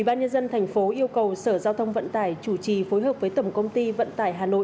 ubnd tp yêu cầu sở giao thông vận tải chủ trì phối hợp với tổng công ty vận tải hà nội